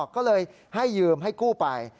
ก็เลยให้ยืมให้กู้ไป